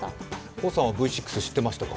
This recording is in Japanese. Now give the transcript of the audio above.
黄さんはＶ６知ってましたか？